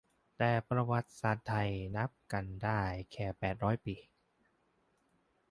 แต่ประวัติศาสตร์ไทย นับกันได้แค่แปดร้อยปี